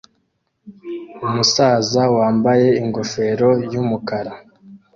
Umusaza wambaye ingofero yumukara